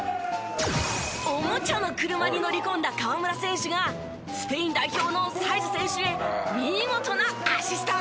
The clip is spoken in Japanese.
おもちゃの車に乗り込んだ河村選手がスペイン代表のサイズ選手へ見事なアシスト。